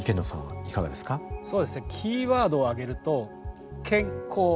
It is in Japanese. そうですねキーワードを挙げると「健幸」。